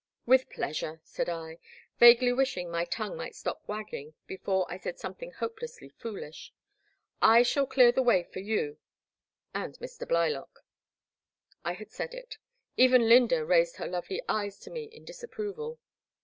With pleasure," said I, vaguely wishing my tongue might stop wagging before I said some thing hopelessly foolish, I shall clear the way for you — and Mr. Blylock." I had said it ; even Lynda raised her lovely eyes to me in disapproval.